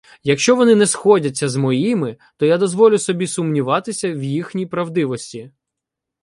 — Якщо вони не сходяться з моїми, то я дозволю собі сумніватися в їхній правдивості.